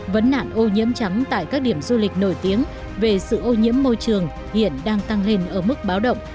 vấn nạn ô nhiễm trắng tại các điểm du lịch nổi tiếng về sự ô nhiễm môi trường hiện đang tăng lên ở mức báo động